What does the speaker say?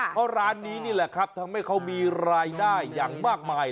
เพราะร้านนี้นี่แหละครับทำให้เขามีรายได้อย่างมากมาย